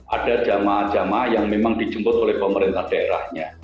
ada jemaah jemaah yang memang dijemput oleh pemerintah daerahnya